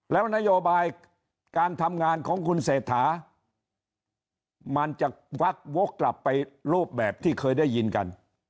แล้วนโยบายการทำงานของคุณเศรษฐามันจะวักวกกลับไปรูปแบบที่เคยได้ยินกัน